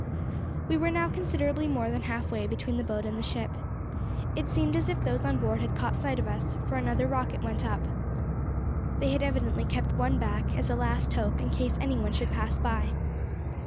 We were now considerably more than half way between the boat and the ship. It seemed as if those on board had caught sight of us, for another rocket went up. They had evidently kept one back, as a last hope, in case any one should pass by.